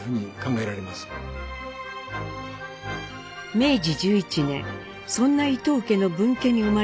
明治１１年そんな伊藤家の分家に生まれたのが貞次。